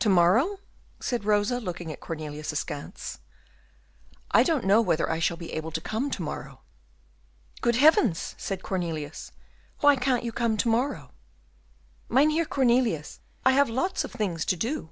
"To morrow?" said Rosa, looking at Cornelius askance. "I don't know whether I shall be able to come to morrow." "Good heavens!" said Cornelius, "why can't you come to morrow?" "Mynheer Cornelius, I have lots of things to do."